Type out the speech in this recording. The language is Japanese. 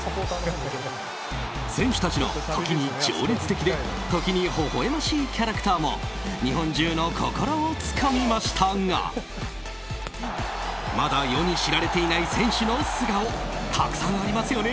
選手たちの、時に情熱的で時にほほ笑ましいキャラクターも日本中の心をつかみましたがまだ、世に知られていない選手の素顔たくさんありますよね？